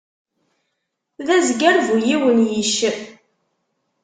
D azger bu yiwen yicc.